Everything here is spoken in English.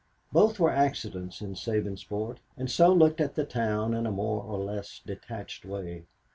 Both were accidents in Sabinsport, and so looked at the town in a more or less detached way.